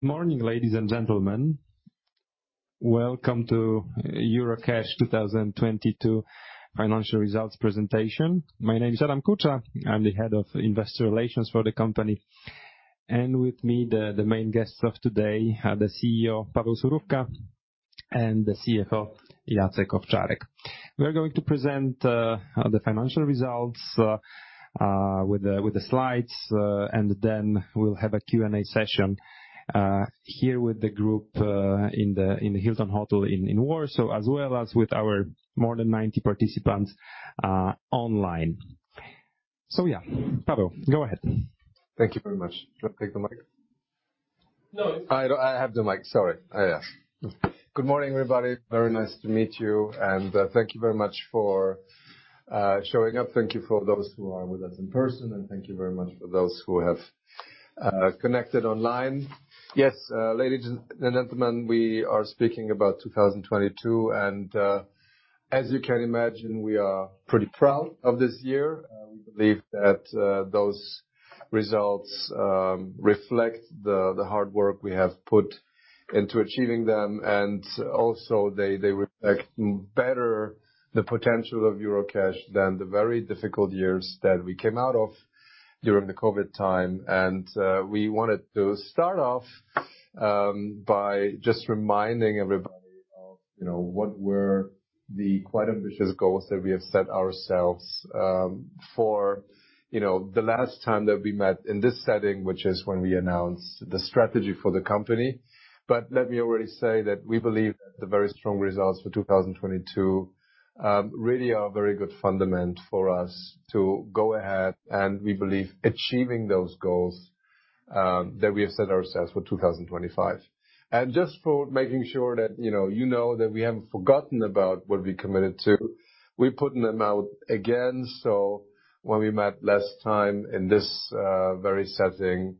Morning, ladies, and gentlemen. Welcome to Eurocash 2022 Financial Results Presentation. My name is Adam Kucza. I'm the Head of Investor Relations for the company. With me, the main guest of today, the CEO, Paweł Surówka, and the CFO, Jacek Owczarek. We're going to present the financial results with the slides, and then we'll have a Q&A session here with the group in the Hilton Hotel in Warsaw, as well as with our more than 90 participants online. Yeah. Paweł, go ahead. Thank you very much. Should I take the mic? No. I have the mic, sorry. Yeah. Good morning, everybody. Very nice to meet you, and thank you very much for showing up. Thank you for those who are with us in person, and thank you very much for those who have connected online. Yes, ladies, and gentlemen, we are speaking about 2022, and as you can imagine, we are pretty proud of this year. We believe that those results reflect the hard work we have put into achieving them. Also they reflect better the potential of Eurocash than the very difficult years that we came out of during the COVID time. We wanted to start off by just reminding everybody of what were the quite ambitious goals that we have set ourselves for the last time that we met in this setting, which is when we announced the strategy for the company. Let me already say that we believe the very strong results for 2022 really are very good fundament for us to go ahead, and we believe achieving those goals that we have set ourselves for 2025. Just for making sure that we haven't forgotten about what we committed to, we're putting them out again. When we met last time in this very setting,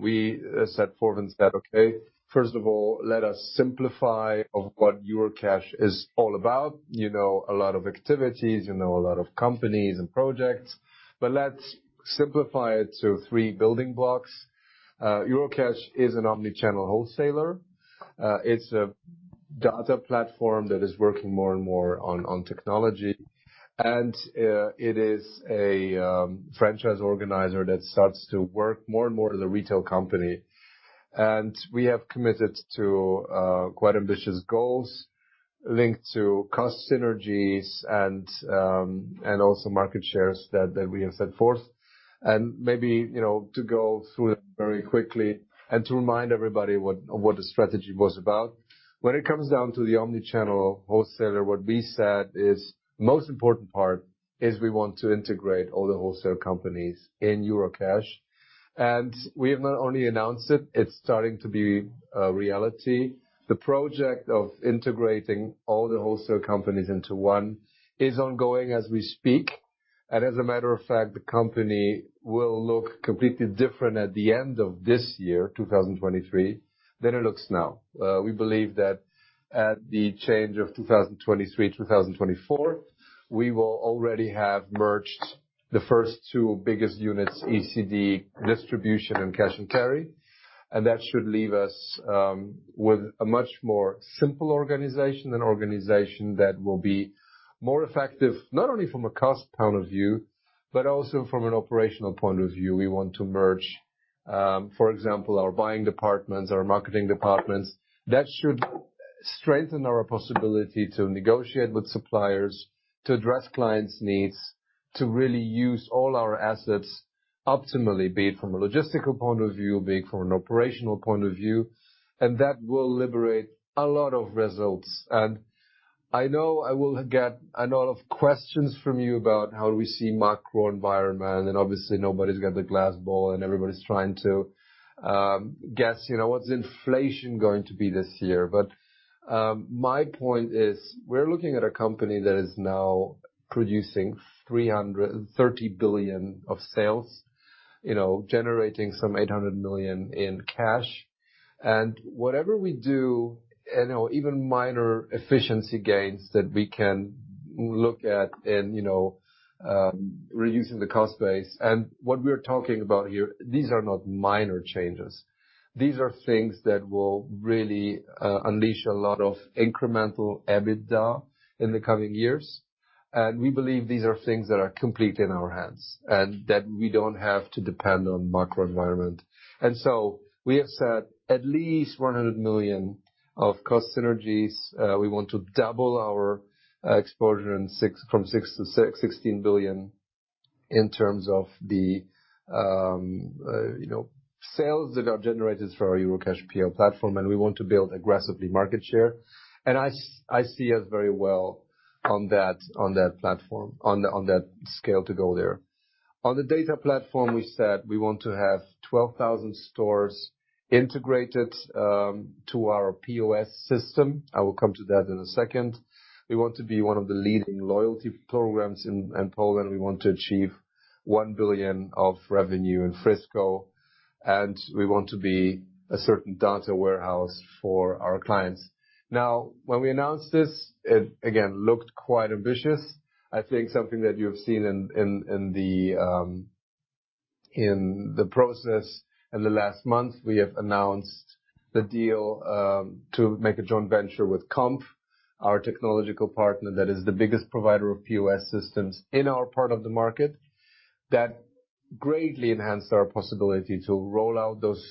we set forth and said, okay, first of all, let us simplify of what Eurocash is all about. You know, a lot of activities, you know, a lot of companies and projects, but let's simplify it to three building blocks. Eurocash is an omnichannel wholesaler. It's a data platform that is working more and more on technology, and it is a franchise organizer that starts to work more and more as a retail company. We have committed to quite ambitious goals linked to cost synergies and also market shares that we have set forth. Maybe, you know, to go through them very quickly and to remind everybody what the strategy was about. When it comes down to the omnichannel wholesaler, what we said is most important part is we want to integrate all the wholesale companies in Eurocash. We have not only announced it's starting to be a reality. The project of integrating all the wholesale companies into one is ongoing as we speak. As a matter of fact, the company will look completely different at the end of this year, 2023, than it looks now. We believe that at the change of 2023, 2024, we will already have merged the first two biggest units, ECD Distribution and Cash & Carry. That should leave us with a much more simple organization, an organization that will be more effective, not only from a cost point of view, but also from an operational point of view. We want to merge, for example, our buying departments, our marketing departments. That should strengthen our possibility to negotiate with suppliers, to address clients' needs, to really use all our assets optimally, be it from a logistical point of view, be it from an operational point of view, and that will liberate a lot of results. I know I will get a lot of questions from you about how we see macro environment, and obviously, nobody's got the glass ball and everybody's trying to guess, you know, what's inflation going to be this year. My point is we're looking at a company that is now producing 330 billion of sales, you know, generating some 800 million in cash. Whatever we do, you know, even minor efficiency gains that we can look at and, you know, reusing the cost base. What we're talking about here, these are not minor changes. These are things that will really unleash a lot of incremental EBITDA in the coming years. We believe these are things that are completely in our hands and that we don't have to depend on macro environment. We have set at least 100 million of cost synergies. We want to double our exposure in six, from 6 billion-16 billion in terms of the, you know, sales that are generated for our eurocash.pl platform, and we want to build aggressively market share. I see us very well on that platform, on that scale to go there. On the data platform, we said we want to have 12,000 stores integrated to our POS system. I will come to that in a second. We want to be one of the leading loyalty programs in Poland. We want to achieve 1 billion of revenue in Frisco. We want to be a certain data warehouse for our clients. When we announced this, it again looked quite ambitious. I think something that you have seen in the process, in the last month, we have announced the deal to make a joint venture with Comp, our technological partner that is the biggest provider of POS systems in our part of the market. That greatly enhanced our possibility to roll out those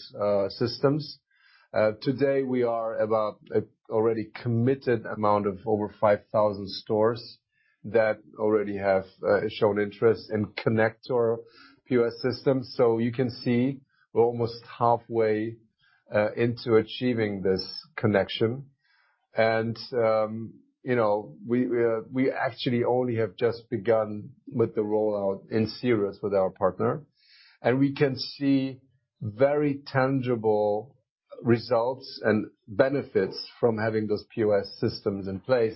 systems. Today we are about a already committed amount of over 5,000 stores that already have shown interest in connect our POS system. You can see we're almost halfway into achieving this connection. And, you know, we actually only have just begun with the rollout in serious with our partner. We can see very tangible results and benefits from having those POS systems in place.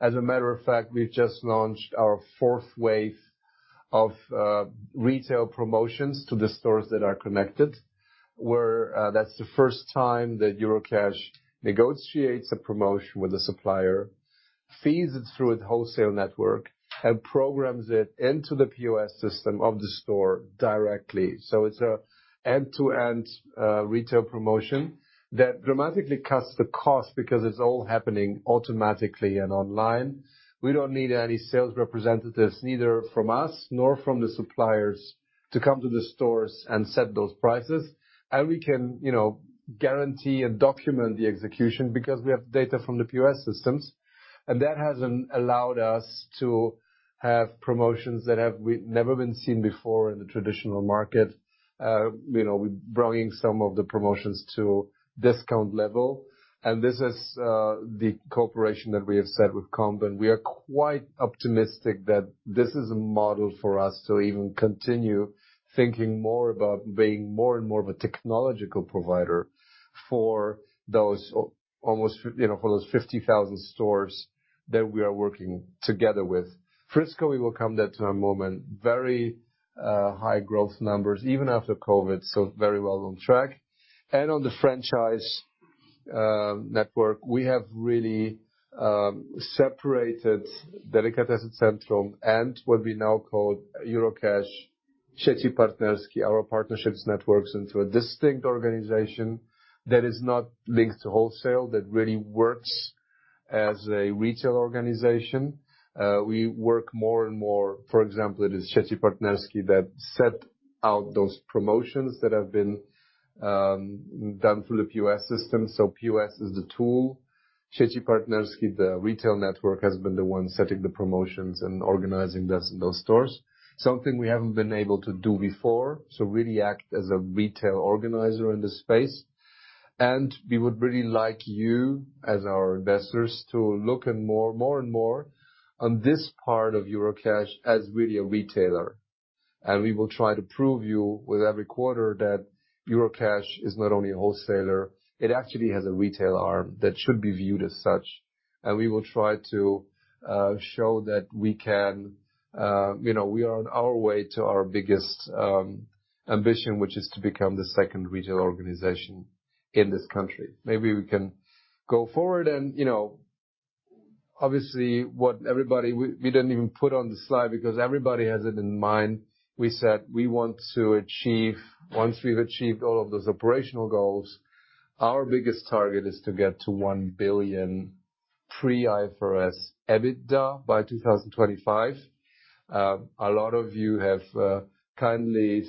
As a matter of fact, we've just launched our fourth wave of retail promotions to the stores that are connected, where that's the first time that Eurocash negotiates a promotion with the supplier, feeds it through its wholesale network, and programs it into the POS system of the store directly. It's a end-to-end retail promotion that dramatically cuts the cost because it's all happening automatically and online. We don't need any sales representatives, neither from us nor from the suppliers, to come to the stores and set those prices. We can, you know, guarantee and document the execution because we have data from the POS systems. That has allowed us to have promotions that have never been seen before in the traditional market. You know, we're bringing some of the promotions to discount level. This is, the cooperation that we have set with Comp, and we are quite optimistic that this is a model for us to even continue thinking more about being more and more of a technological provider for those almost, you know, for those 50,000 stores that we are working together with. Frisco, we will come there to a moment, very, high growth numbers, even after COVID, so very well on track. On the franchise, network, we have really, separated Delikatesy Centrum and what we now call Eurocash Sieci Partnerskie, our partnerships networks, into a distinct organization that is not linked to wholesale, that really works as a retail organization. We work more and more, for example, it is Sieci Partnerskie that set out those promotions that have been done through the POS system. POS is the tool. Sieci Partnerskie, the retail network, has been the one setting the promotions and organizing this in those stores, something we haven't been able to do before. Really act as a retail organizer in this space. We would really like you, as our investors, to look and more and more on this part of Eurocash as really a retailer. We will try to prove you with every quarter that Eurocash is not only a wholesaler, it actually has a retail arm that should be viewed as such. We will try to show that we can, you know, we are on our way to our biggest ambition, which is to become the second retail organization in this country. Maybe we can go forward. You know, obviously, what everybody we didn't even put on the slide because everybody has it in mind. We said we want to achieve Once we've achieved all of those operational goals, our biggest target is to get to 1 billion pre-IFRS EBITDA by 2025. A lot of you have kindly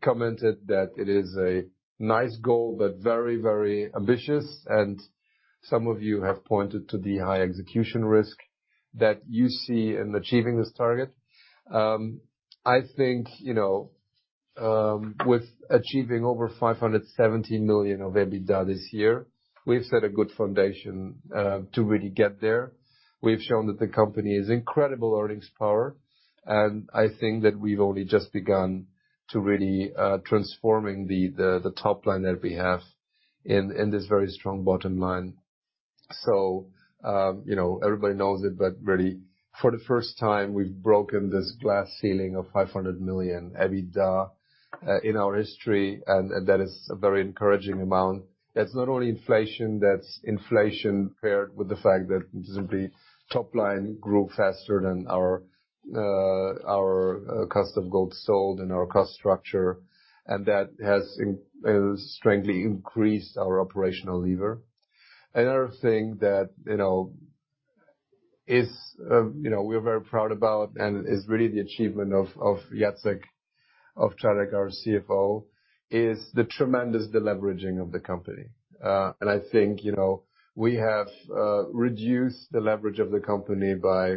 commented that it is a nice goal, but very ambitious, and some of you have pointed to the high execution risk that you see in achieving this target. I think, you know, with achieving over 570 million of EBITDA this year, we've set a good foundation to really get there. We've shown that the company has incredible earnings power, I think that we've only just begun to really transforming the top line that we have in this very strong bottom line. You know, everybody knows it, but really for the first time, we've broken this glass ceiling of 500 million EBITDA in our history, and that is a very encouraging amount. That's not only inflation, that's inflation paired with the fact that simply top line grew faster than our cost of goods sold and our cost structure, and that has strongly increased our operational lever. Another thing that, you know, is, you know, we're very proud about and is really the achievement of Jacek Owczarek, our CFO, is the tremendous deleveraging of the company. I think, you know, we have reduced the leverage of the company by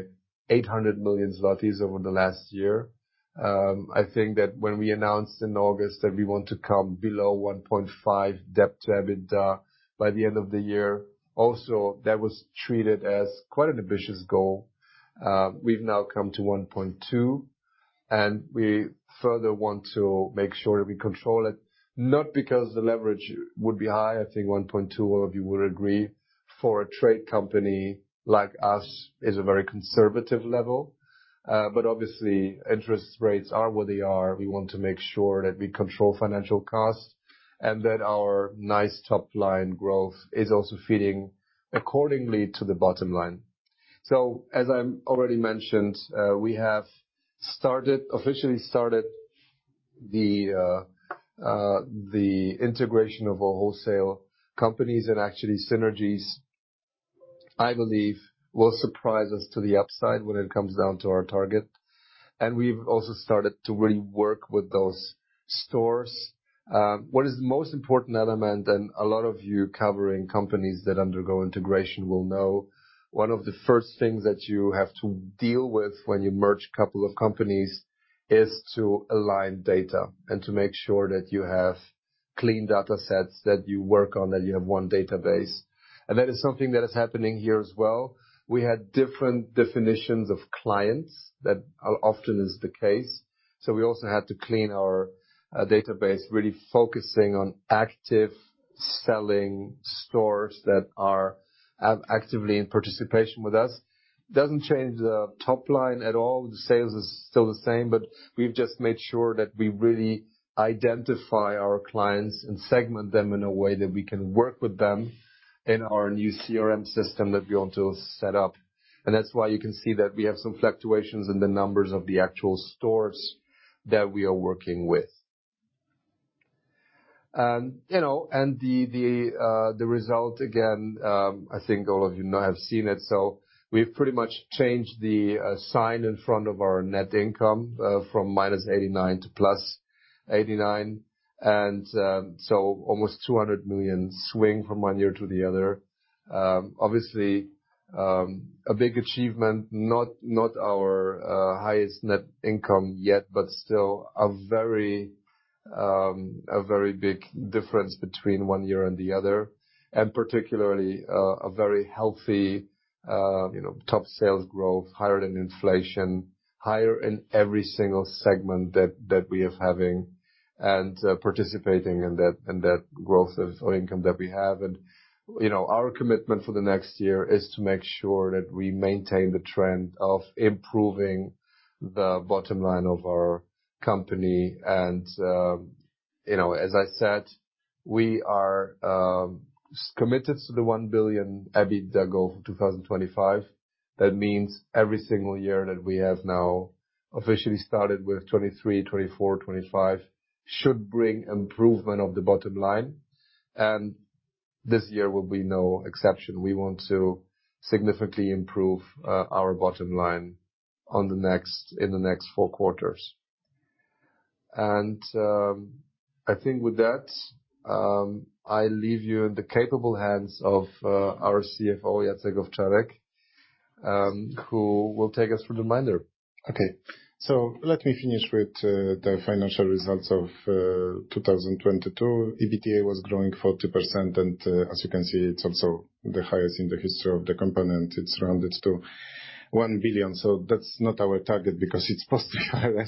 800 million zlotys over the last year. I think that when we announced in August that we want to come below 1.5 debt-to-EBITDA by the end of the year, also, that was treated as quite an ambitious goal. We've now come to 1.2, and we further want to make sure that we control it, not because the leverage would be high. I think 1.2, all of you would agree, for a trade company like us is a very conservative level. Obviously, interest rates are what they are. We want to make sure that we control financial costs and that our nice top-line growth is also feeding accordingly to the bottom line. as I'm already mentioned, we have started, officially started the integration of our wholesale companies and actually synergies, I believe, will surprise us to the upside when it comes down to our target. We've also started to really work with those stores. What is the most important element, and a lot of you covering companies that undergo integration will know, one of the first things that you have to deal with when you merge couple of companies is to align data and to make sure that you have clean data sets that you work on, that you have one database. That is something that is happening here as well. We had different definitions of clients. That often is the case. We also had to clean our database, really focusing on active selling stores that are actively in participation with us. Doesn't change the top line at all. The sales is still the same, but we've just made sure that we really identify our clients and segment them in a way that we can work with them in our new CRM system that we want to set up. That's why you can see that we have some fluctuations in the numbers of the actual stores that we are working with. You know, the result, again, I think all of you now have seen it. We've pretty much changed the sign in front of our net income from -89 million to +89 million. Almost 200 million swing from one year to the other. Obviously, a big achievement. Not our highest net income yet, but still a very big difference between one year and the other, and particularly, a very healthy, you know, top sales growth, higher than inflation, higher in every single segment that we are having and participating in that growth of income that we have. You know, our commitment for the next year is to make sure that we maintain the trend of improving the bottom line of our company. You know, as I said, we are committed to the 1 billion EBITDA goal for 2025. That means every single year that we have now officially started with 2023, 2024, 2025 should bring improvement of the bottom line. This year will be no exception. We want to significantly improve our bottom line in the next 4 quarters. I think with that, I leave you in the capable hands of our CFO, Jacek Owczarek, who will take us through the minor. Okay. Let me finish with the financial results of 2022. EBITDA was growing 40%, and as you can see, it's also the highest in the history of the company, and it's rounded to 1 billion. That's not our target because it's supposed to be higher.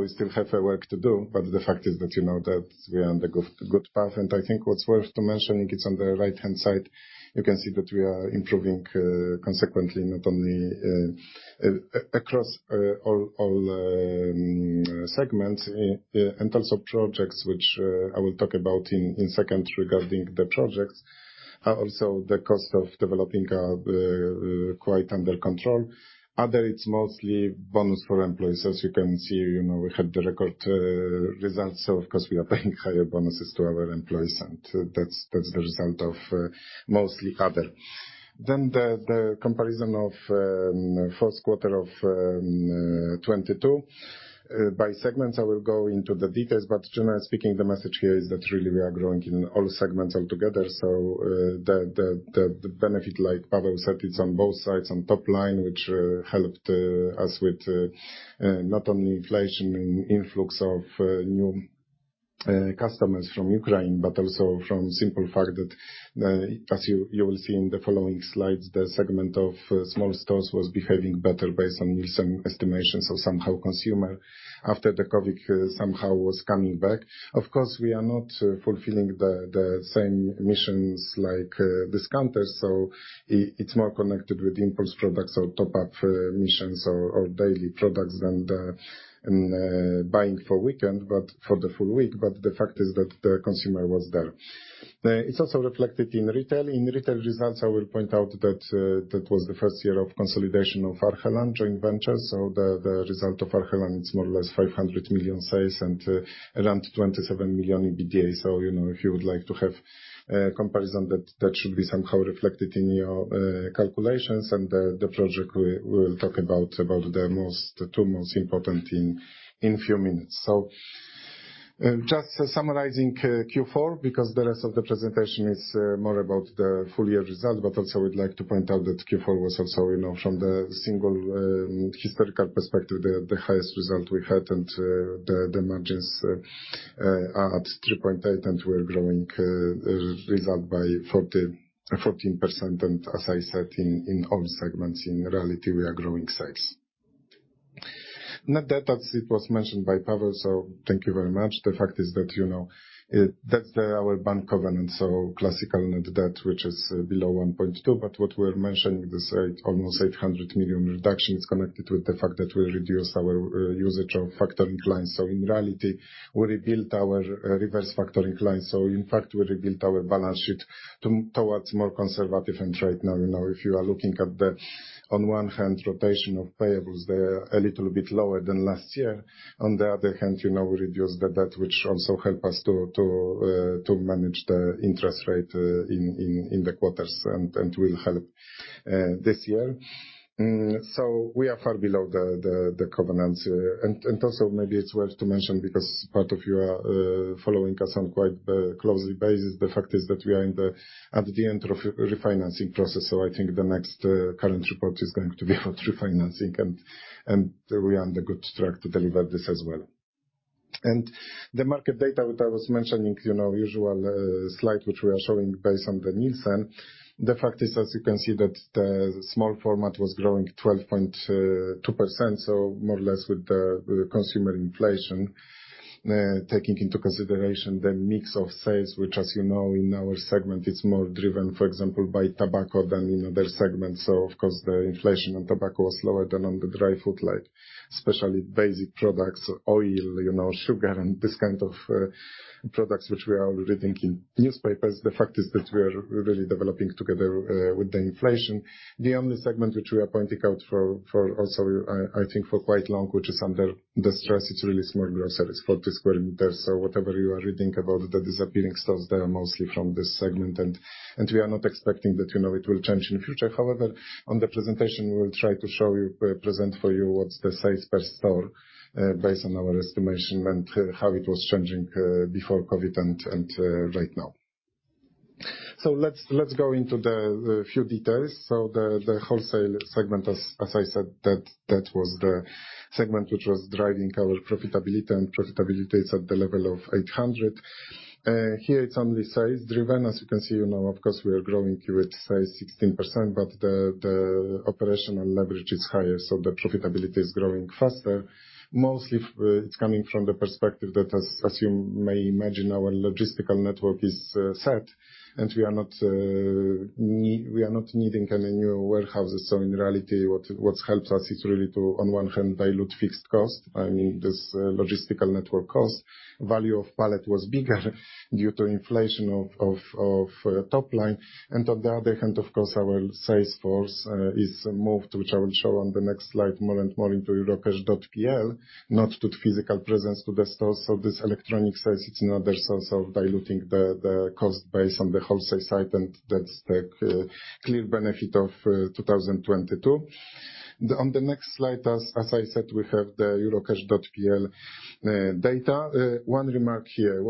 We still have work to do, but the fact is that you know that we are on the good path. I think what's worth to mentioning, it's on the right-hand side, you can see that we are improving consequently, not only across segments in terms of projects, which I will talk about in a second regarding the projects. Also the cost of developing quite under control. Other, it's mostly bonus for employees. As you can see, you know, we had the record results, so of course, we are paying higher bonuses to our employees, and that's the result of mostly other. The comparison of first quarter of 2022 by segment, I will go into the details, but generally speaking, the message here is that really we are growing in all segments altogether. The benefit, like Paweł said, it's on both sides, on top line, which helped us with not only inflation and influx of new customers from Ukraine, but also from simple fact that as you will see in the following slides, the segment of small stores was behaving better based on some estimations of somehow consumer after the COVID, somehow was coming back. Of course, we are not fulfilling the same missions like discounters. It's more connected with impulse products or top-up missions or daily products and buying for a weekend, but for the full week. The fact is that the consumer was there. It's also reflected in retail. In retail results, I will point out that that was the first year of consolidation of Arhelan joint venture. The result of Arhelan, it's more or less 500 million sales and around 27 million EBITDA. You know, if you would like to have a comparison, that should be somehow reflected in your calculations and the project we will talk about the most, the two most important in few minutes. Just summarizing Q4, because the rest of the presentation is more about the full year results, but also I would like to point out that Q4 was also, you know, from the single historical perspective, the highest result we had and the margins at 3.8, and we're growing result by 14%. As I said, in all segments, in reality, we are growing sales. Net debt, as it was mentioned by Paweł. Thank you very much. The fact is that, you know, that's our bank covenant, so classical net debt, which is below 1.2. What we're mentioning this almost 800 million reduction is connected with the fact that we reduced our usage of factoring clients. In reality, we rebuilt our reverse factoring clients. In fact, we rebuilt our balance sheet towards more conservative. Right now, you know, if you are looking at on one hand, rotation of payables, they're a little bit lower than last year. On the other hand, you know, we reduced the debt which also help us to manage the interest rate in the quarters and will help this year. We are far below the covenants. Also maybe it's worth to mention because part of you are following us on quite a closely basis, the fact is that we are at the end of refinancing process. I think the next current report is going to be for refinancing, we are on the good track to deliver this as well. The market data, which I was mentioning, you know, usual slide, which we are showing based on the Nielsen. The fact is, as you can see, that the small format was growing 12.2%, so more or less with the, with the consumer inflation. Taking into consideration the mix of sales, which as you know in our segment is more driven, for example, by tobacco than, you know, other segments. Of course the inflation on tobacco was lower than on the dry food, like especially basic products, oil, you know, sugar and this kind of products which we are reading in newspapers. The fact is that we are really developing together with the inflation. The only segment which we are pointing out for also I think for quite long, which is under the stress, it's really small sales for this quarter. Whatever you are reading about the disappearing stores, they are mostly from this segment, and we are not expecting that, you know, it will change in future. However, on the presentation we will try to show you, present for you what's the size per store, based on our estimation and how it was changing before COVID and right now. Let's go into the few details. The wholesale segment as I said, that was the segment which was driving our profitability, and profitability is at the level of 800 million. Here it's only size driven. As you can see, you know, of course we are growing unit size 16%, but the operational leverage is higher, so the profitability is growing faster. Mostly it's coming from the perspective that as you may imagine, our logistical network is set and we are not needing any new warehouses. In reality, what helps us is really to on one hand dilute fixed cost. I mean, this logistical network cost. Value of pallet was bigger due to inflation of top line. On the other hand, of course, our sales force is moved, which I will show on the next slide more and more into eurocash.pl, not to the physical presence to the stores. This electronic sales, it's another source of diluting the cost base on the wholesale side, and that's the clear benefit of 2022. On the next slide, as I said, we have the eurocash.pl data. One remark here.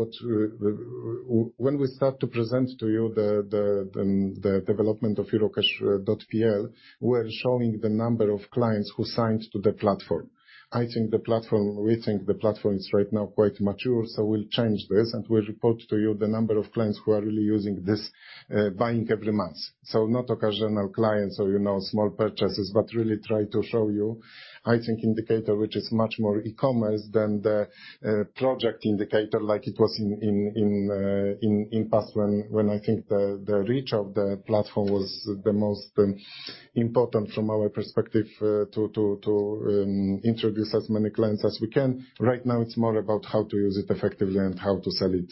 When we start to present to you the development of eurocash.pl, we're showing the number of clients who signed to the platform. I think the platform, we think the platform is right now quite mature, so we'll change this and we'll report to you the number of clients who are really using this, buying every month. Not occasional clients or you know, small purchases, but really try to show you I think indicator which is much more e-commerce than the project indicator like it was in past when I think the reach of the platform was the most important from our perspective to introduce as many clients as we can. Right now it's more about how to use it effectively and how to sell it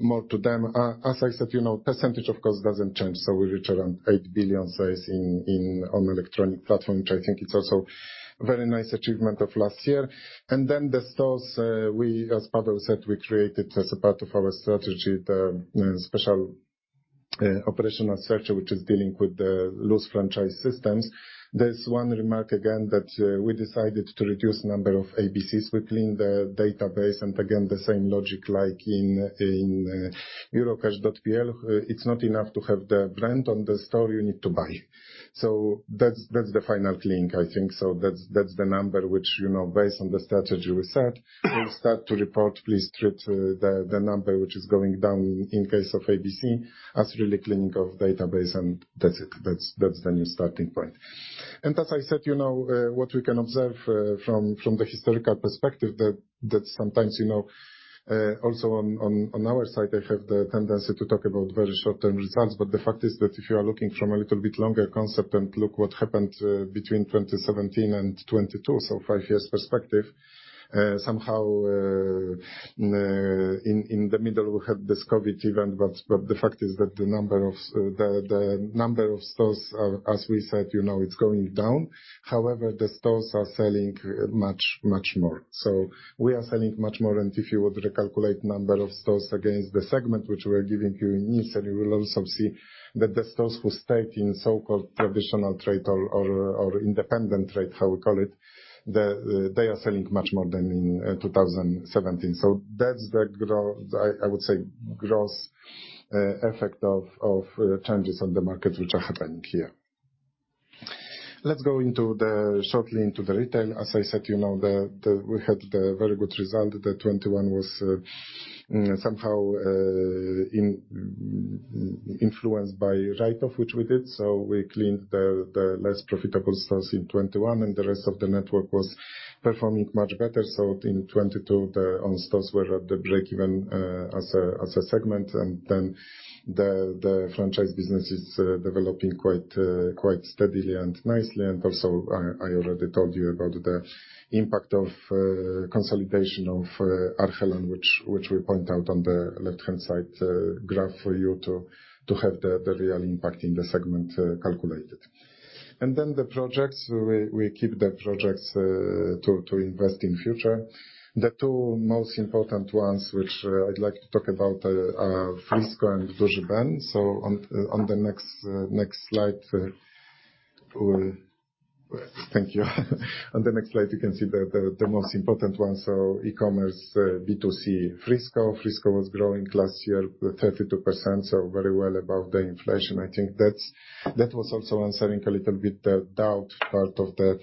more to them. As I said, you know, percentage of cost doesn't change, so we reach around 8 billion sales on electronic platform, which I think it's also very nice achievement of last year. The stores, we as Paweł said, we created as a part of our strategy the special operational structure which is dealing with the loose franchise systems. There's one remark again that we decided to reduce number of ABCs. We clean the database and again, the same logic like in eurocash.pl. It's not enough to have the brand on the store, you need to buy. That's the final clean, I think. That's the number which, you know, based on the strategy we set, we start to report. Please strip the number which is going down in case of ABC as really cleaning of database, and that's it. That's the new starting point. As I said, you know, what we can observe from the historical perspective that sometimes, you know, also on our side, I have the tendency to talk about very short-term results. The fact is that if you are looking from a little bit longer concept and look what happened between 2017 and 2022, so five years perspective, somehow in the middle we have this COVID event. The fact is that the number of the number of stores are, as we said, you know, it's going down. However, the stores are selling much, much more. We are selling much more and if you would recalculate number of stores against the segment which we are giving you in Nielsen, you will also see that the stores who stayed in so-called traditional trade or independent trade, how we call it, they are selling much more than in 2017. That's the grow- I would say, gross effect of changes on the market which are happening here. Let's go shortly into the retail. As I said, you know, we had a very good result. The 2021 was somehow influenced by write-off, which we did. We cleaned the less profitable stores in 2021, and the rest of the network was performing much better. In 2022, the own stores were at the breakeven as a segment. The franchise business is developing quite steadily and nicely. Also, I already told you about the impact of consolidation of Arhelan, which we point out on the left-hand side graph for you to have the real impact in the segment calculated. The projects. We keep the projects to invest in future. The two most important ones which I'd like to talk about are Frisco and Duży Ben. On the next slide. Thank you. On the next slide, you can see the most important one. E-commerce B2C, Frisco. Frisco was growing last year 32%, so very well above the inflation. I think that's, that was also answering a little bit the doubt part of the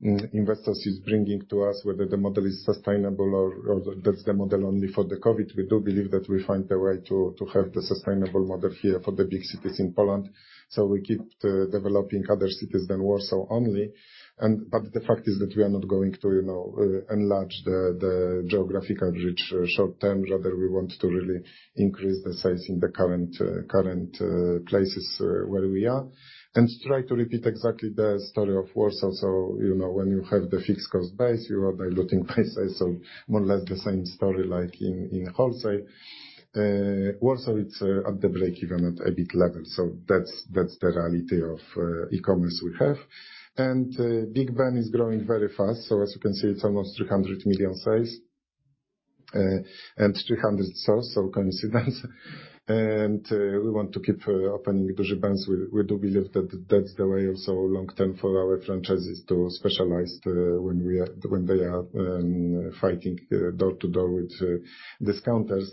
investors is bringing to us whether the model is sustainable or that's the model only for the COVID. We do believe that we find the way to have the sustainable model here for the big cities in Poland. We keep developing other cities than Warsaw only. The fact is that we are not going to, you know, enlarge the geographic coverage short-term. Rather, we want to really increase the size in the current places where we are and try to repeat exactly the story of Warsaw. You know, when you have the fixed cost base, you are diluting prices. More or less the same story like in wholesale. Warsaw, it's at the breakeven at EBIT level. That's, that's the reality of e-commerce we have. Duży Ben is growing very fast. As you can see, it's almost 300 million size. 300 stores, so coincidence. We want to keep opening Duży Bens. We do believe that that's the way also long-term for our franchises to specialize when they are fighting door-to-door with discounters.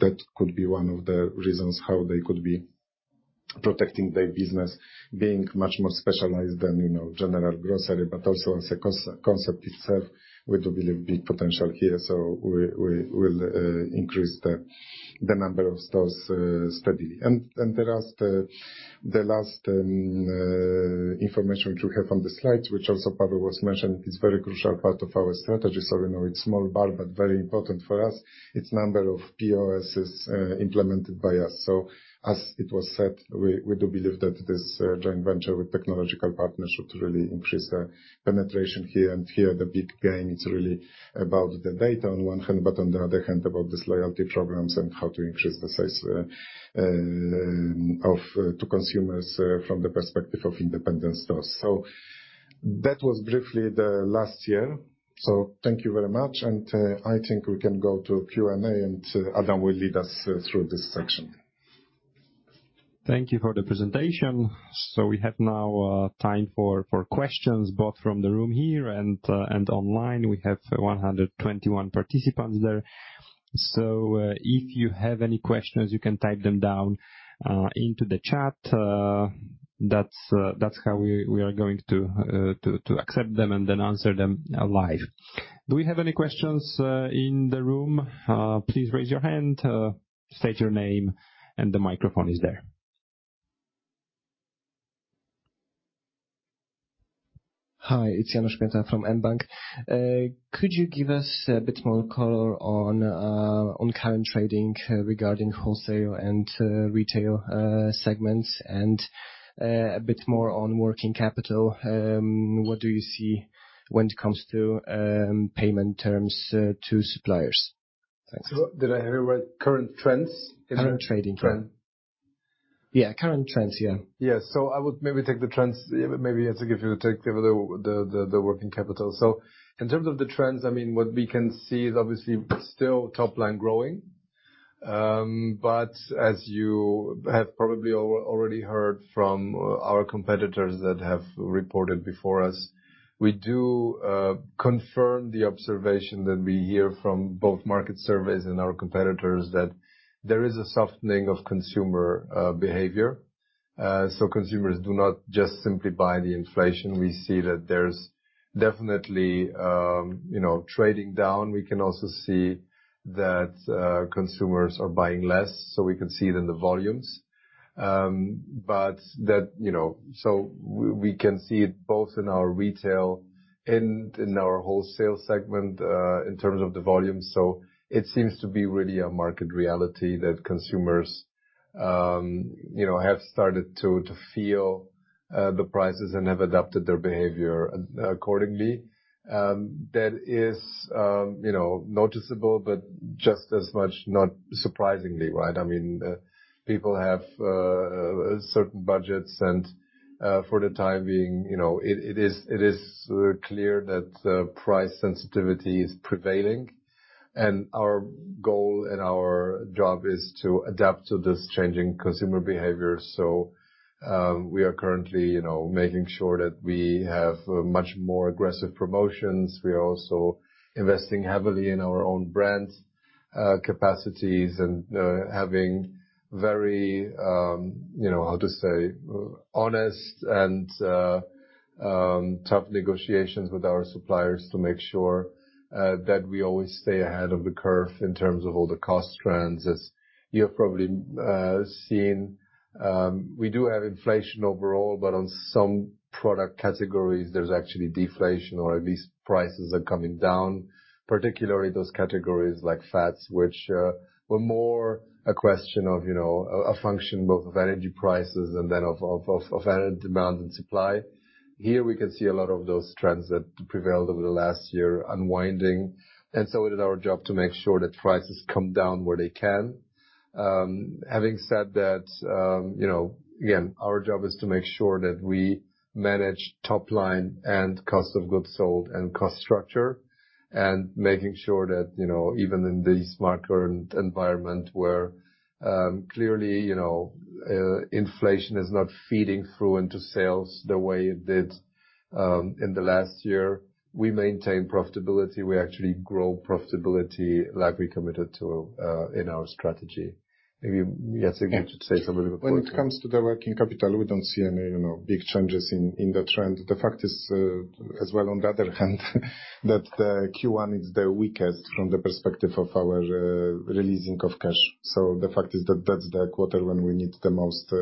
That could be one of the reasons how they could be protecting their business, being much more specialized than, you know, general grocery, but also as a concept itself, we do believe big potential here. We will increase the number of stores steadily. The last information which we have on the slides, which also Paweł was mentioning, is very crucial part of our strategy. We know it's small bar, but very important for us. It's number of POSs implemented by us. As it was said, we do believe that this joint venture with technological partners should really increase our penetration here. Here, the big game is really about the data on one hand, but on the other hand, about these loyalty programs and how to increase the size of... to consumers from the perspective of independent stores. That was briefly the last year. Thank you very much, and I think we can go to Q&A, and Adam will lead us through this section. Thank you for the presentation. We have now time for questions, both from the room here and online. We have 121 participants there. If you have any questions, you can type them down into the chat. That's how we are going to accept them and then answer them live. Do we have any questions in the room? Please raise your hand, state your name, and the microphone is there. Hi, it's Janusz Pięta from mBank. Could you give us a bit more color on current trading regarding wholesale and retail segments? A bit more on working capital? What do you see when it comes to payment terms to suppliers? Thanks. Did I hear right, current trends? Current trading trends. Current- Yeah. Current trends, yeah. Yeah. I would maybe take the trends, maybe Jacek, if you give the working capital. In terms of the trends, I mean, what we can see is obviously still top line growing. As you have probably already heard from our competitors that have reported before us, we do confirm the observation that we hear from both market surveys and our competitors that there is a softening of consumer behavior. Consumers do not just simply buy the inflation. We see that there's definitely, you know, trading down. We can also see that consumers are buying less, we can see it in the volumes. That, you know, we can see it both in our retail and in our wholesale segment in terms of the volume. It seems to be really a market reality that consumers, you know, have started to feel the prices and have adapted their behavior accordingly. That is, you know, noticeable, but just as much, not surprisingly, right? I mean, people have certain budgets and for the time being, you know, it is clear that price sensitivity is prevailing. Our goal and our job is to adapt to this changing consumer behavior. We are currently, you know, making sure that we have much more aggressive promotions. We are also investing heavily in our own brands, capacities and having very, you know, how to say, honest and tough negotiations with our suppliers to make sure that we always stay ahead of the curve in terms of all the cost trends. You have probably seen, we do have inflation overall, but on some product categories there's actually deflation, or at least prices are coming down. Particularly those categories like fats, which were more a question of, you know, a function both of energy prices and then of energy demand and supply. Here we can see a lot of those trends that prevailed over the last year unwinding. We did our job to make sure that prices come down where they can. Having said that, you know, again, our job is to make sure that we manage top line and cost of goods sold and cost structure, and making sure that, you know, even in this market environment where, clearly, you know, inflation is not feeding through into sales the way it did, in the last year, we maintain profitability. We actually grow profitability like we committed to, in our strategy. Maybe Jacek you should say something about. When it comes to the working capital, we don't see any, you know, big changes in the trend. The fact is, as well on the other hand that the Q1 is the weakest from the perspective of our releasing of cash. The fact is that that's the quarter when we need the most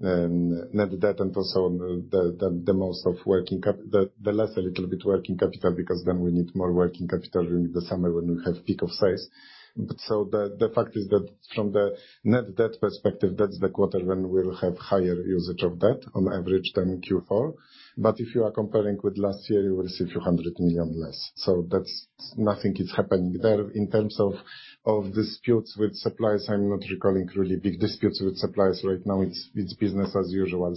net debt, and also the less a little bit working capital, because then we need more working capital during the summer when we have peak of sales. The fact is that from the net debt perspective, that's the quarter when we'll have higher usage of debt on average than in Q4. If you are comparing with last year, you will see PLN few hundred million less. That's. Nothing is happening there. In terms of disputes with suppliers, I'm not recalling really big disputes with suppliers right now. It's business as usual.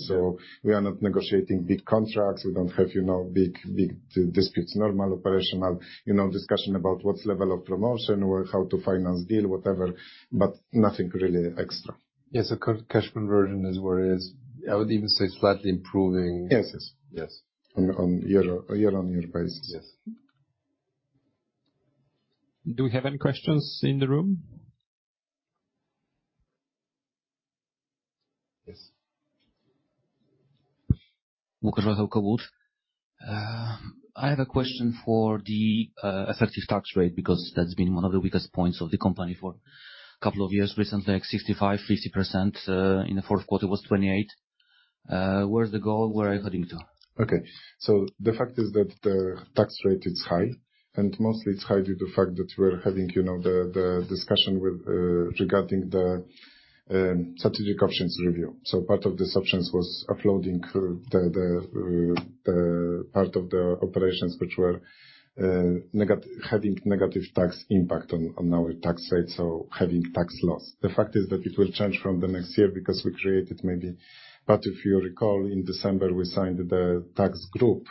We are not negotiating big contracts. We don't have, you know, big disputes. Normal operational, you know, discussion about what level of promotion or how to finance deal, whatever, but nothing really extra. Yes, cash conversion is where it is. I would even say it's slightly improving. Yes. Yes. Yes. On year-on-year basis. Yes. Do we have any questions in the room? Yes. I have a question for the effective tax rate, because that's been one of the weakest points of the company for a couple of years. Recently, like 65%, 50%. In the fourth quarter was 28%. Where is the goal? Where are you heading to? The fact is that the tax rate is high, and mostly it's high due to the fact that we're having, you know, the discussion with regarding the strategic options review. Part of the options was offloading the part of the operations which were having negative tax impact on our tax rate, so having tax loss. It will change from the next year because we created maybe... If you recall, in December, we signed the tax group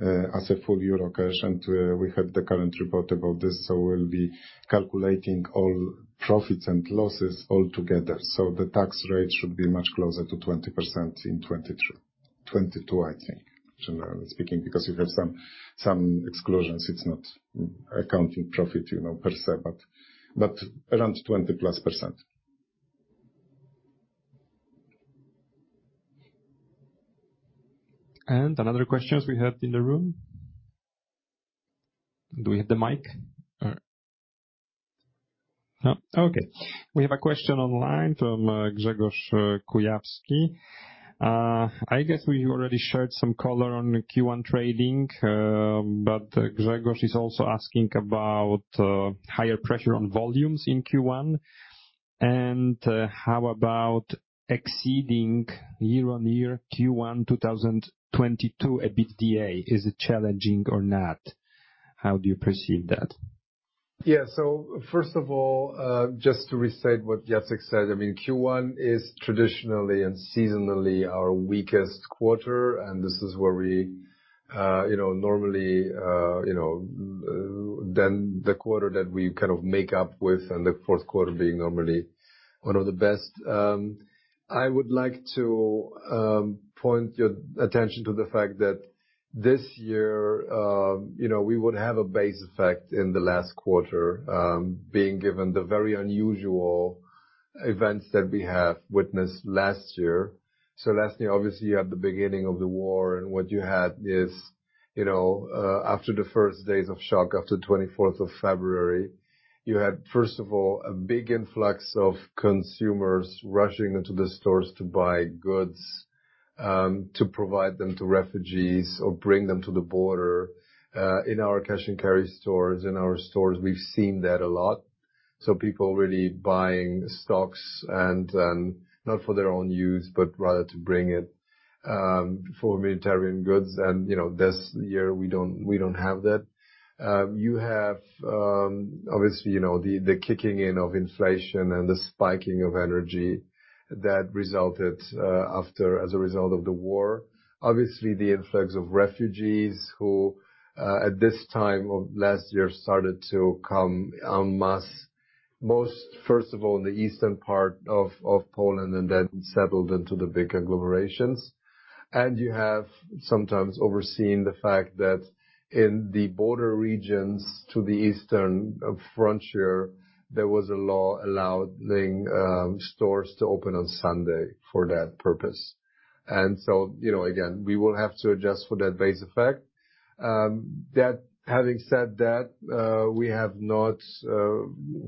as a full year occasion. We had the current report about this, so we'll be calculating all profits and losses all together. The tax rate should be much closer to 20% in 2022, I think, generally speaking, because you have some exclusions. It's not accounting profit, you know, per se, but around 20%+. Another questions we have in the room? Do we have the mic? No. Okay. We have a question online from Grzegorz Kujawski. I guess we already shared some color on the Q1 trading, but Grzegorz is also asking about higher pressure on volumes in Q1, and how about exceeding year-on-year Q1 2022 EBITDA? Is it challenging or not? How do you perceive that? First of all, just to restate what Jacek said, I mean Q1 is traditionally and seasonally our weakest quarter, and this is where we, you know, normally, you know, then the quarter that we kind of make up with and the fourth quarter being normally one of the best. I would like to point your attention to the fact that this year, you know, we would have a base effect in the last quarter, being given the very unusual events that we have witnessed last year. Last year, obviously, you had the beginning of the war and what you had is, you know, after the first days of shock, after 24th of February, you had, first of all, a big influx of consumers rushing into the stores to buy goods to provide them to refugees or bring them to the border. In our Cash & Carry stores, in our stores, we've seen that a lot. People really buying stocks and not for their own use, but rather to bring it for humanitarian goods. You know, this year we don't have that. You have, obviously, you know, the kicking in of inflation and the spiking of energy that resulted after as a result of the war. Obviously, the influx of refugees who, at this time of last year started to come en masse. First of all, in the eastern part of Poland and then settled into the big agglomerations. You have sometimes overseen the fact that in the border regions to the eastern frontier, there was a law allowing stores to open on Sunday for that purpose. So, you know, again, we will have to adjust for that base effect. Having said that, we have not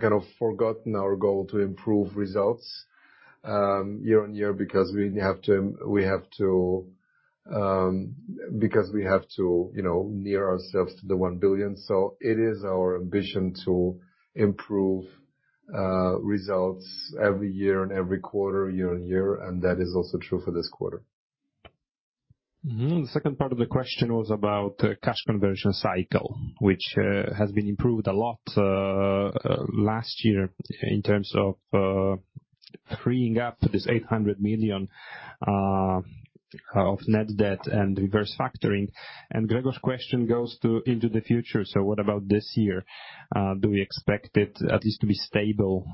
kind of forgotten our goal to improve results year-on-year because we have to, you know, near ourselves to the 1 billion. So it is our ambition to improve results every year and every quarter, year-on-year, and that is also true for this quarter. The second part of the question was about cash conversion cycle, which has been improved a lot last year in terms of freeing up this 800 million of net debt and reverse factoring. Grzegorz's question goes to into the future. What about this year? Do we expect it at least to be stable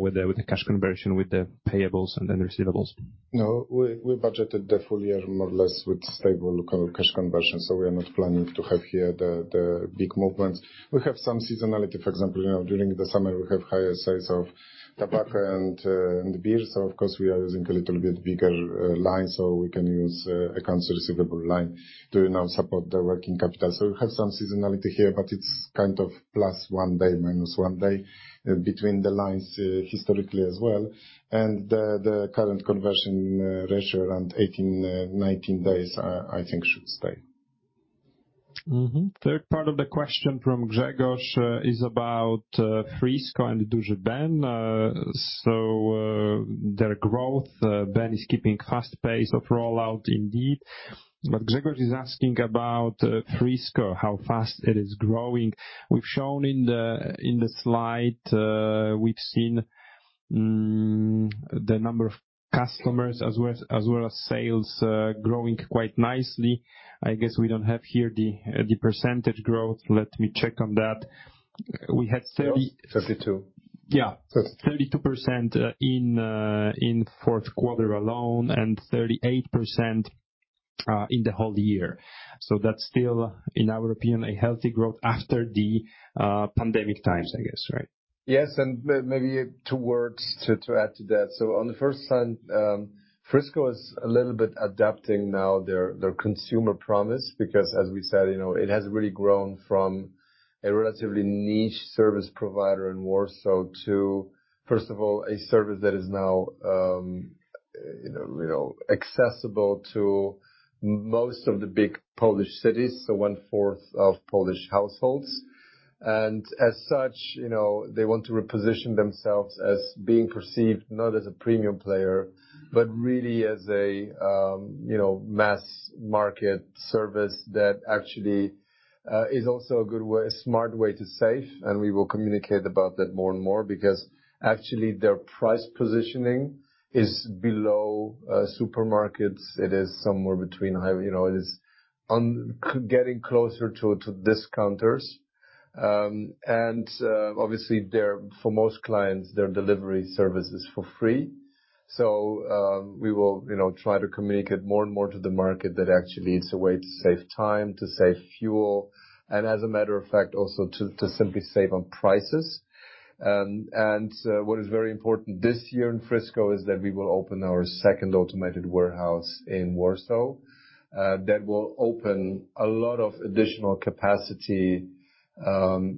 with the, with the cash conversion, with the payables and then receivables? No, we budgeted the full year more or less with stable cash conversion, so we are not planning to have here the big movements. We have some seasonality. For example, you know, during the summer, we have higher sales of tobacco and beer. Of course, we are using a little bit bigger line, so we can use accounts receivable line to now support the working capital. We have some seasonality here, but it's kind of plus one day, minus one day between the lines, historically as well. The, the current conversion ratio around 18, 19 days, I think should stay. Mm-hmm. Third part of the question from Grzegorz is about Frisco and Duży Ben. Their growth, Ben is keeping fast pace of rollout indeed. Grzegorz is asking about Frisco, how fast it is growing. We've shown in the, in the slide, we've seen the number of customers as well, as well as sales, growing quite nicely. I guess we don't have here the percentage growth. Let me check on that. 32%. Yeah. 32%. 32% in fourth quarter alone and 38% in the whole year. That's still, in our opinion, a healthy growth after the pandemic times, I guess, right? Yes. maybe two words to add to that. on the first hand, Frisco is a little bit adapting now their consumer promise because as we said, you know, it has really grown from a relatively niche service provider in Warsaw to, first of all, a service that is now, you know, accessible to most of the big Polish cities, so one-fourth of Polish households. as such, you know, they want to reposition themselves as being perceived not as a premium player, but really as a, you know, mass market service that actually is also a good way, a smart way to save. we will communicate about that more and more because actually their price positioning is below supermarkets. It is somewhere between high, you know, it is getting closer to discounters. Obviously, for most clients, their delivery service is for free. We will, you know, try to communicate more and more to the market that actually it's a way to save time, to save fuel, and as a matter of fact, also to simply save on prices. What is very important this year in Frisco is that we will open our second automated warehouse in Warsaw, that will open a lot of additional capacity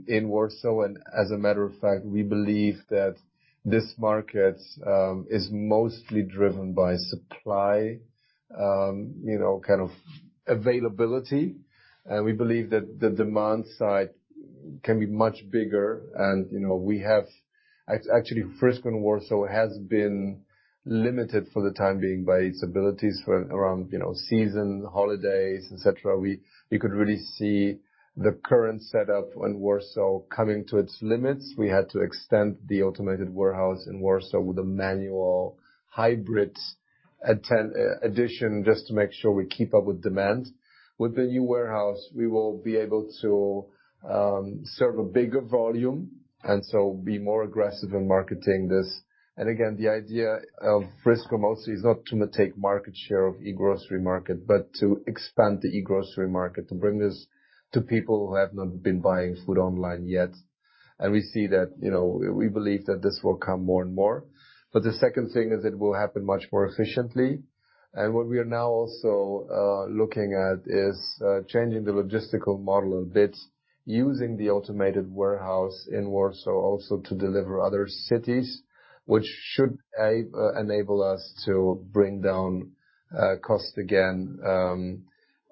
in Warsaw. As a matter of fact, we believe that this market is mostly driven by supply, you know, kind of availability. We believe that the demand side can be much bigger. You know, we have actually, Frisco in Warsaw has been limited for the time being by its abilities for around, you know, season, holidays, etc. We could really see the current setup in Warsaw coming to its limits. We had to extend the automated warehouse in Warsaw with a manual hybrid addition just to make sure we keep up with demand. With the new warehouse, we will be able to serve a bigger volume and so be more aggressive in marketing this. Again, the idea of Frisco mostly is not to take market share of eGrocery market, but to expand the eGrocery market, to bring this to people who have not been buying food online yet. We see that, you know, we believe that this will come more and more. The second thing is it will happen much more efficiently. What we are now also looking at is changing the logistical model a bit using the automated warehouse in Warsaw also to deliver other cities, which should enable us to bring down cost again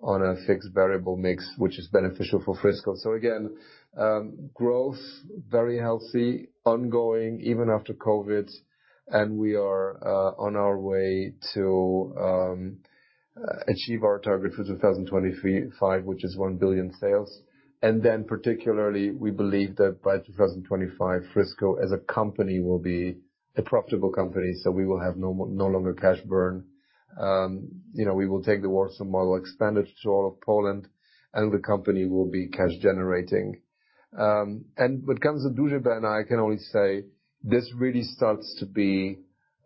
on a fixed variable mix, which is beneficial for Frisco. Again, growth, very healthy, ongoing, even after COVID, and we are on our way to achieve our target for 2025, which is 1 billion sales. Particularly, we believe that by 2025, Frisco as a company will be a profitable company. We will have no longer cash burn. You know, we will take the Warsaw model, expand it to all of Poland, and the company will be cash generating. When it comes to Duży Ben, I can only say this really starts to be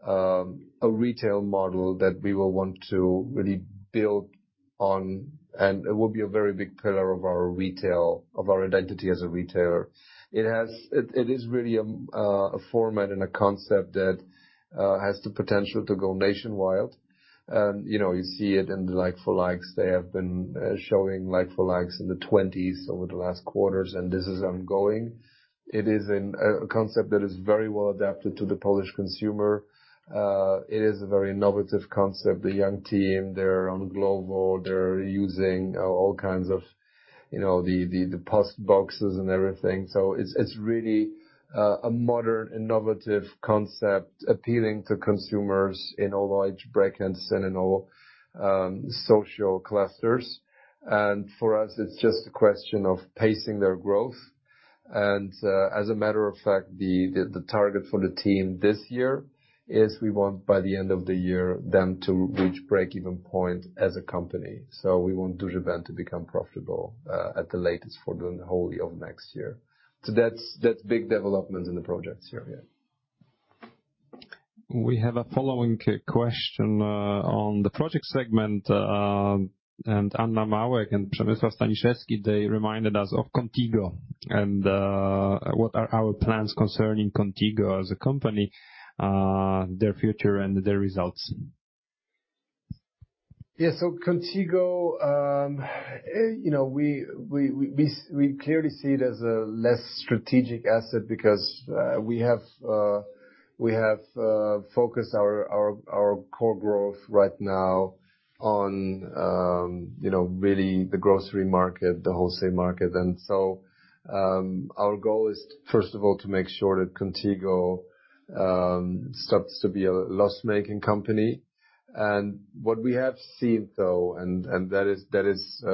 a retail model that we will want to really build on, and it will be a very big pillar of our retail, of our identity as a retailer. It is really a format and a concept that has the potential to go nationwide. You know, you see it in the like for likes. They have been showing like for likes in the 20s over the last quarters, and this is ongoing. It is a concept that is very well adapted to the Polish consumer. It is a very innovative concept. The young team, they're on Global, they're using all kinds of, you know, the post boxes and everything. It's, it's really a modern, innovative concept appealing to consumers in all age brackets and in all social clusters. For us, it's just a question of pacing their growth. As a matter of fact, the target for the team this year is we want by the end of the year them to reach break-even point as a company. We want Duży Ben to become profitable at the latest for the wholly of next year. That's big developments in the projects here, yeah. We have a following question on the project segment. Anna Kupniewska and Przemysław Staniszewski, they reminded us of Contigo and what are our plans concerning Contigo as a company, their future and their results. Yeah. Contigo, you know, we clearly see it as a less strategic asset because we have focused our core growth right now on, you know, really the grocery market, the wholesale market. Our goal is, first of all, to make sure that Contigo starts to be a loss-making company. What we have seen, though, and that is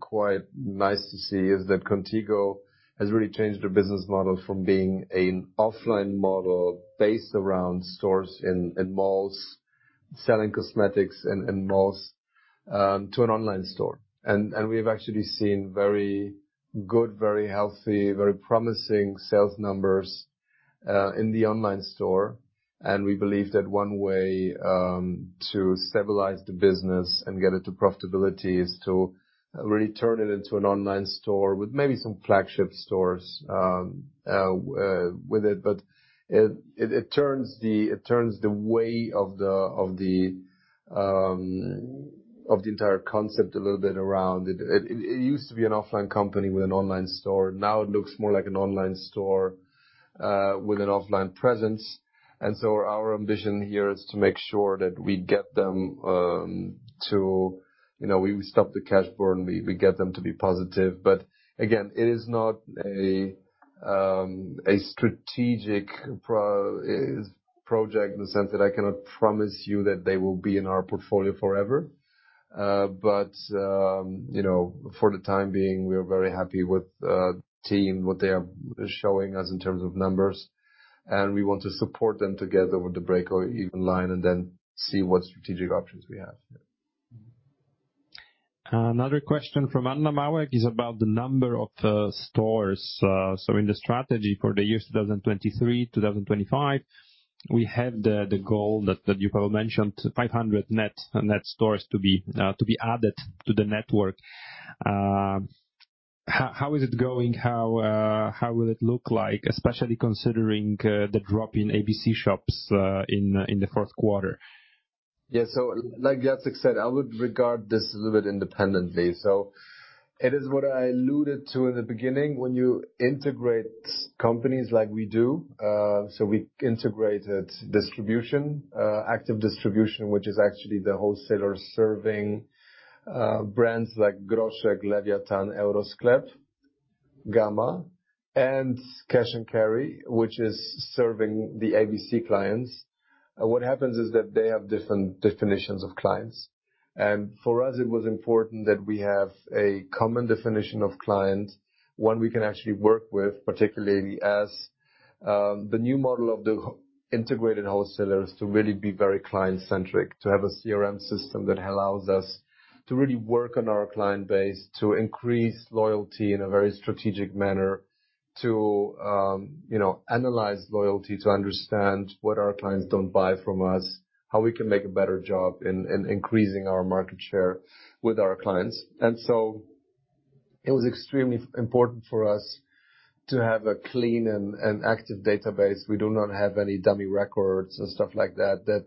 quite nice to see, is that Contigo has really changed their business model from being an offline model based around stores in malls, selling cosmetics in malls, to an online store. We've actually seen very good, very healthy, very promising sales numbers in the online store. We believe that one way to stabilize the business and get it to profitability is to really turn it into an online store with maybe some flagship stores with it. It turns the way of the entire concept a little bit around. It used to be an offline company with an online store. Now it looks more like an online store with an offline presence. Our ambition here is to make sure that we get them to, you know, we stop the cash burn, we get them to be positive. Again, it is not a strategic project in the sense that I cannot promise you that they will be in our portfolio forever. You know, for the time being, we are very happy with the team, what they are showing us in terms of numbers, and we want to support them together with the break-even line and then see what strategic options we have. Another question from Anna Kupniewska is about the number of stores. In the strategy for the year 2023, 2025, we had the goal that you probably mentioned, 500 net stores to be added to the network. How is it going? How will it look like, especially considering the drop in ABC shops in the fourth quarter? Like Jacek said, I would regard this a little bit independently. It is what I alluded to in the beginning. When you integrate companies like we do, we integrated distribution, Active Distribution, which is actually the wholesaler serving brands like Groszek, Lewiatan, Eurosklep, Gama, and Cash & Carry, which is serving the ABC clients. What happens is that they have different definitions of clients. For us, it was important that we have a common definition of client, one we can actually work with, particularly as the new model of the integrated wholesalers to really be very client-centric, to have a CRM system that allows us to really work on our client base to increase loyalty in a very strategic manner to, you know, analyze loyalty, to understand what our clients don't buy from us, how we can make a better job in increasing our market share with our clients. It was extremely important for us to have a clean and active database. We do not have any dummy records and stuff like that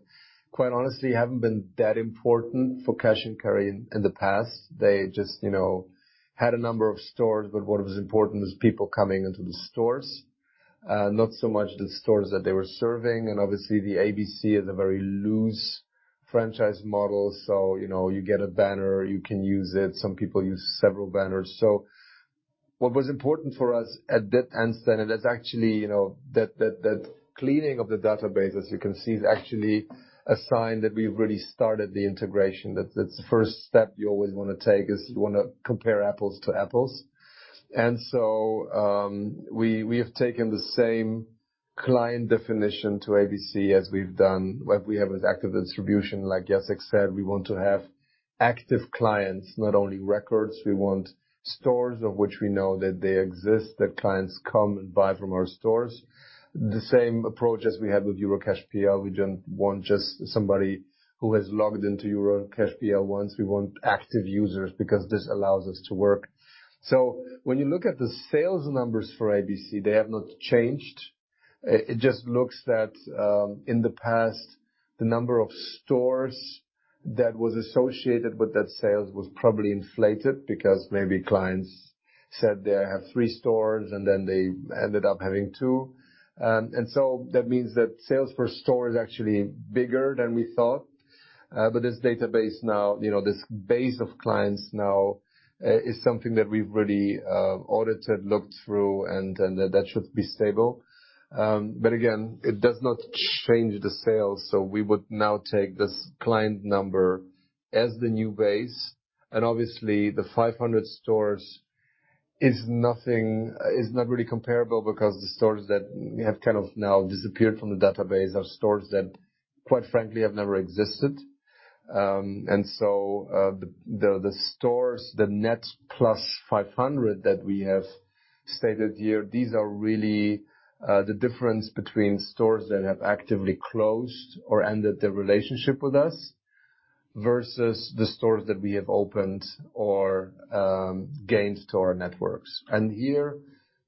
quite honestly haven't been that important for Cash & Carry in the past. They just, you know, had a number of stores, but what was important was people coming into the stores, not so much the stores that they were serving. Obviously, the ABC is a very loose franchise model. You know, you get a banner, you can use it. Some people use several banners. What was important for us at that end then, and that's actually, you know, that, that cleaning of the database, as you can see, is actually a sign that we've really started the integration. That's the first step you always wanna take, is you wanna compare apples to apples. We, we have taken the same client definition to ABC as we've done. What we have as active distribution, like Jacek said, we want to have active clients, not only records. We want stores of which we know that they exist, that clients come and buy from our stores. The same approach as we have with eurocash.pl. We don't want just somebody who has logged into eurocash.pl once. We want active users because this allows us to work. When you look at the sales numbers for ABC, they have not changed. It just looks that in the past, the number of stores that was associated with that sales was probably inflated because maybe clients said they have three stores and then they ended up having two. That means that sales per store is actually bigger than we thought. But this database now, you know, this base of clients now, is something that we've really audited, looked through, and that should be stable. Again, it does not change the sales. We would now take this client number as the new base, obviously the 500 stores is nothing, is not really comparable because the stores that we have kind of now disappeared from the database are stores that quite frankly have never existed. The stores, the net plus 500 that we have stated here, these are really the difference between stores that have actively closed or ended their relationship with us versus the stores that we have opened or gained to our networks. Here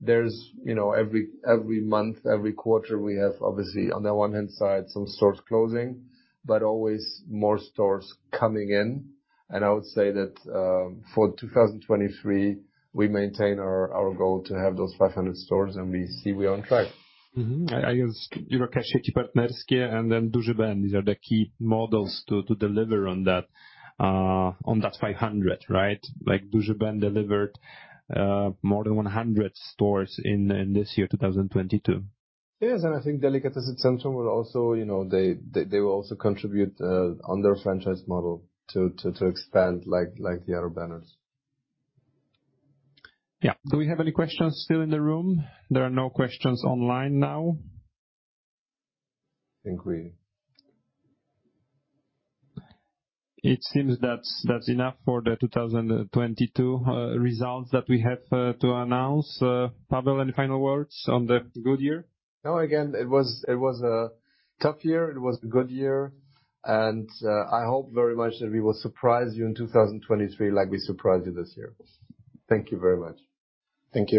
there's, you know, every month, every quarter, we have, obviously, on the one hand side, some stores closing, but always more stores coming in. I would say that, for 2023, we maintain our goal to have those 500 stores and we see we're on track. Mm-hmm. I guess Eurocash Partner and then Duży Ben, these are the key models to deliver on that 500, right? Like, Duży Ben delivered more than 100 stores in this year, 2022. Yes. I think Delikatesy Centrum will also, you know, they will also contribute on their franchise model to expand like the other banners. Do we have any questions still in the room? There are no questions online now. I think we... It seems that's enough for the 2022 results that we have to announce. Paweł, any final words on the good year? No, again, it was a tough year. It was a good year. I hope very much that we will surprise you in 2023 like we surprised you this year. Thank you very much. Thank you.